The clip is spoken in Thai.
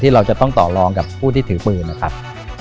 เราจะต้องต่อรองกับผู้ที่ถือปืนนะครับ